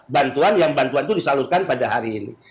bantuan yang disalurkan pada hari ini